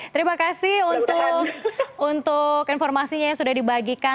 terima kasih untuk informasinya yang sudah dibagikan